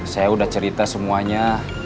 saya sudah cerita semuanya